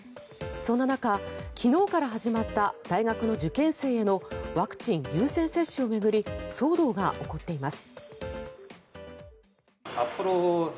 そんな中、昨日から始まった大学の受験性へのワクチン優先接種を巡り騒動が起こっています。